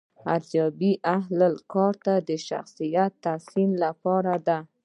ارزیابي اهل کار ته د شخصیت د تحسین لپاره ده.